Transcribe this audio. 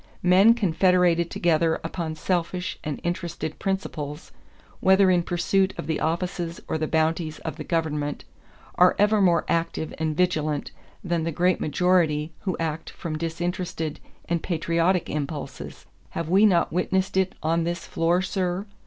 Men confederated together upon selfish and interested principles, whether in pursuit of the offices or the bounties of the government, are ever more active and vigilant than the great majority who act from disinterested and patriotic impulses. Have we not witnessed it on this floor, sir?